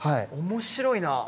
面白いな。